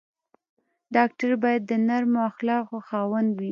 ډاکټر باید د نرمو اخلاقو خاوند وي.